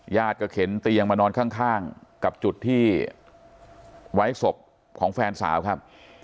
ญาติก็เข็นเตียงมานอนข้างกับจุดที่ไว้ศพของแฟนสาวครับ